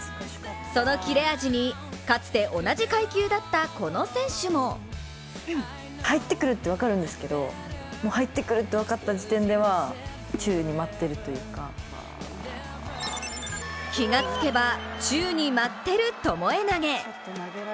その切れ味にかつて同じ階級だったこの選手も気が付けば宙に舞ってるともえ投げ。